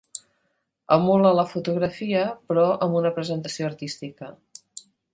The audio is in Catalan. Emula la fotografia, però amb una presentació artística.